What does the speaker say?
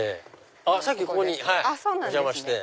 さっきここにお邪魔して。